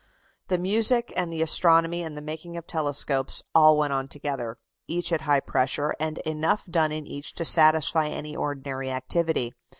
The music, and the astronomy, and the making of telescopes, all went on together, each at high pressure, and enough done in each to satisfy any ordinary activity.